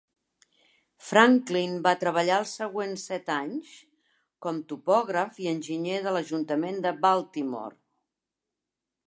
Franklin va treballar els següents set anys com topògraf i enginyer de l'ajuntament de Baltimore.